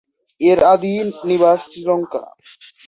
এর আদি নিবাস শ্রীলঙ্কা।